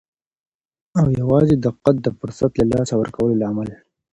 او یوازې دقت د فرصت له لاسه ورکولو لامل.